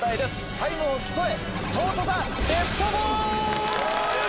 タイムを競え！